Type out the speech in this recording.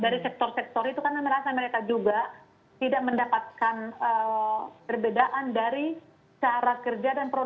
dari sektor sektor itu karena merasa mereka juga tidak mendapatkan perbedaan dari cara kerja dan program